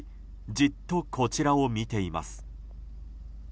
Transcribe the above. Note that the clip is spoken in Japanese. じっとこちらを見ています。